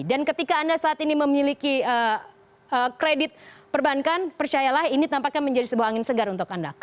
dan ketika anda saat ini memiliki kredit perbankan percayalah ini tampaknya menjadi sebuah angin segar untuk anda